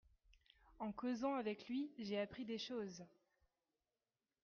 En causant avec lui, j’ai appris des choses…